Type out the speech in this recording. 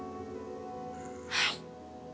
はい。